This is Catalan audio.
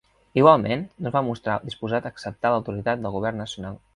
Igualment, no es va mostrar disposat acceptar l'autoritat del Govern Nacional.